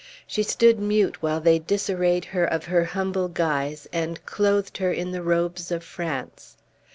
She stood mute while they disarrayed her of her humble guise, and clothed her in the robes of France.